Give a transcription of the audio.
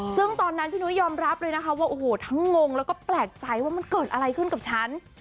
ซึ่งตอนนั้นพี่นุ้ยยอมรับเลยนะคะว่าโอ้โหทั้งงงแล้วก็แปลกใจว่ามันเกิดอะไรขึ้นกับฉัน